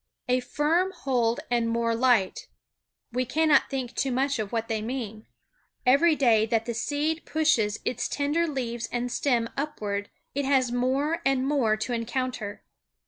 A firm hold and more light, we cannot think too much of what they mean. Every day that the seed pushes its tender leaves and stem upward it has more and more to encounter.